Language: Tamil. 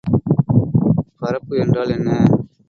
பரப்பு என்றால் என்ன?